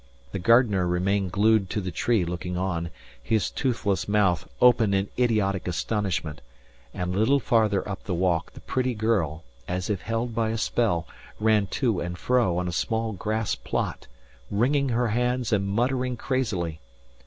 The gardener remained glued to the tree looking on, his toothless mouth open in idiotic astonishment, and a little farther up the walk the pretty girl, as if held by a spell, ran to and fro on a small grass plot, wringing her hands and muttering crazily.